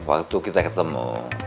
waktu kita ketemu